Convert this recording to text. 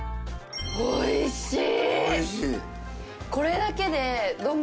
おいしい。